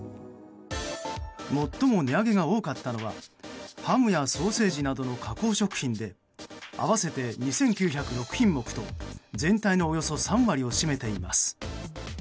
最も値上げが多かったのはハムやソーセージなどの加工食品で合わせて２９０６品目と、全体のおよそ３割を占めています。